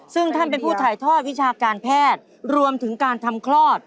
ซึ่งท่านเป็นผู้ถ่ายทอดวิชาการแพทย์รวมถึงการทำคลอด